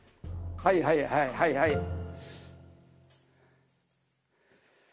はいはいはいはい。